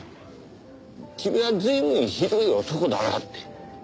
君は随分ひどい男だなって。